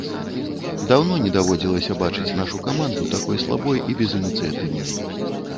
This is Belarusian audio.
Даўно не даводзілася бачыць нашу каманду такой слабой і безыніцыятыўнай.